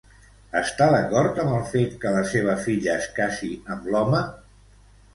Està d'acord amb el fet que la seva filla es casi amb l'home?